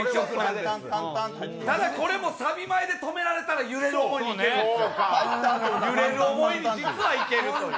ただ、これもサビ前で止められたら「揺れる想い」に実はいけるという。